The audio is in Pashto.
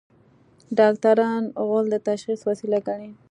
ډاکټران غول د تشخیص وسیله ګڼي.